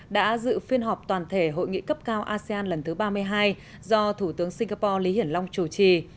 đã dự phiên họp toàn thể hội nghị cấp cao asean lần thứ ba mươi hai do thủ tướng singapore lý hiển long chủ trì